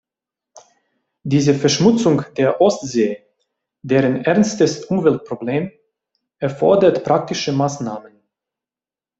Diese Verschmutzung der Ostsee, deren ernstes Umweltproblem, erfordert praktische Maßnahmen.